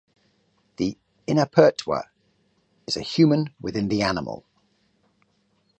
The Inapertwa is a Human within the animal.